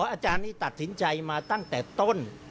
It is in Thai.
อาจารย์นี้ตัดสินใจมาตั้งแต่ต้น